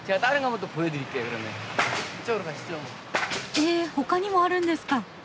えほかにもあるんですか！